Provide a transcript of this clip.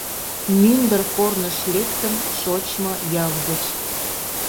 Мӱндыр корныш лектым шочмо ял гыч.